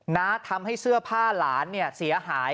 น้าทำให้เสื้อผ้าหลานเสียหาย